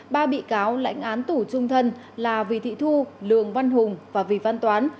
ba bị cáo lãnh án tủ trung thân là vì thị thu lường văn hùng và vì văn toán